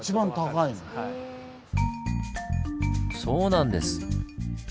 そうなんです！